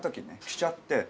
着ちゃって。